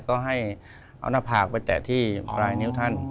ก็ให้เอาหน้าผากไปแตะที่ปลายนิ้วท่าน